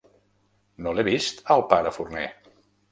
No l'he vist, el pare Forner.